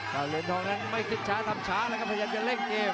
เก้าเหลือนทองนั้นไม่ขึ้นช้าทำช้าเลยครับพยายามจะเล่งเกม